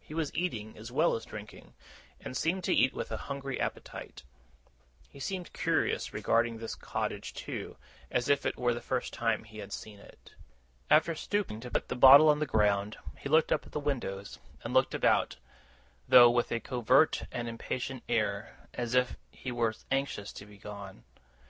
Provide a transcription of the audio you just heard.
He was eating as well as drinking, and seemed to eat with a hungry appetite. He seemed curious regarding the cottage, too, as if it were the first time he had seen it. After stooping to put the bottle on the ground, he looked up at the windows, and looked about; though with a covert and impatient air, as if he was anxious to be gone.